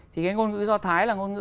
thì cái ngôn ngữ do thái là ngôn ngữ